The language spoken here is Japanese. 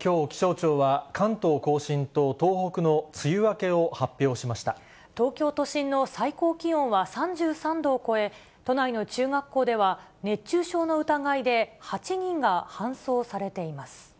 きょう、気象庁は関東甲信と東京都心の最高気温は３３度を超え、都内の中学校では、熱中症の疑いで８人が搬送されています。